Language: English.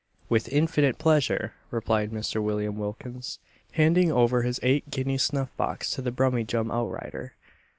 "With infinite pleasure," replied Mr. William Wilkins, handing over his eight guinea snuff box to the Brummyjum out rider.